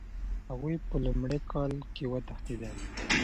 هغوی په لومړي کال کې وتښتېدل.